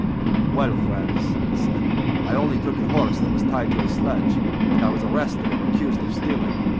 "Well, friends," he said, "I only took a horse that was tied to a sledge, and I was arrested and accused of stealing.